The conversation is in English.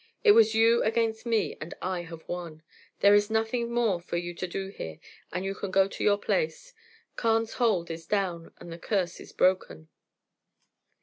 It was you against me, and I have won. There is nothing more for you to do here, and you can go to your place. Carne's Hold is down, and the curse is broken."